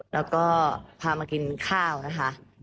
แล้วก็พามากินข้าวนะคะ